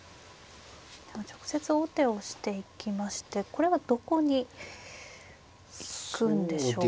直接王手をしていきましてこれはどこに行くんでしょう。